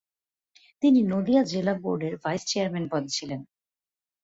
তিনি নদীয়া জেলা বোর্ডের ভাইস-চেয়ারম্যান পদে ছিলেন।